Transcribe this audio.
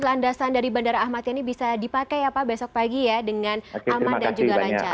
landasan dari bandara ahmad ini bisa dipakai ya pak besok pagi ya dengan aman dan juga lancar